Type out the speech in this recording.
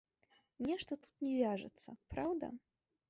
Нешта тут не вяжацца, праўда?